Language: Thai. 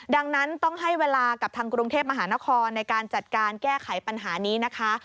ดังนั้นต้องให้เวลากับทางกรุงเทพมหานครในการจัดการแก้ไขปัญหานี้นะคะ